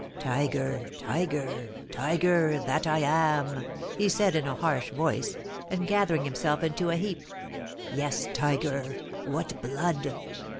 "Tiger tiger tiger that I am!" he said, in a harsh voice, and gathering himself into a heap. "Yes, tiger! What blood!